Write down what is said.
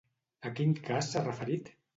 A quin cas s'ha referit?